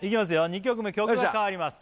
２曲目曲が変わります